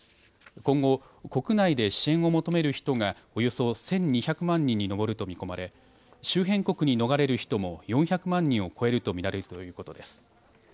今後、国内で支援を求める人がおよそ１２００万人に上ると見込まれ、周辺国に逃れる人も４００万人を超えると見られるということです。